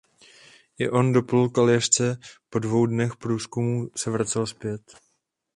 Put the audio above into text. I on doplul k Aljašce a po dvou dnech průzkumů se vracel zpět.